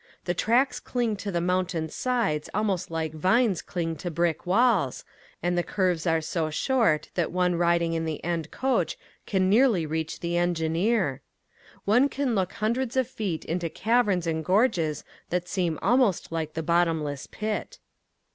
The tracks cling to the mountain sides almost like vines cling to brick walls, and the curves are so short that one riding in the end coach can nearly reach the engineer. One can look hundreds of feet into caverns and gorges that seem almost like the bottomless pit.